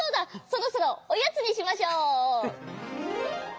そろそろおやつにしましょう。